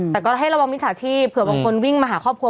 แต่ก็ให้ระวังมิจฉาชีพเผื่อบางคนวิ่งมาหาครอบครัว